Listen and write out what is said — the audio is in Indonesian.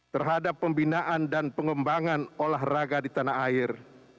terhadap pembinaan dan pengembangan olahraga di tanah air